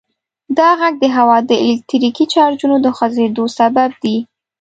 دا غږ د هوا د الکتریکي چارجونو د خوځیدو سبب دی.